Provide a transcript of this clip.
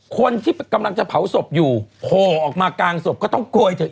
คนที่กำลังจะเผาศพอยู่โผล่ออกมากลางศพก็ต้องโกยเถอ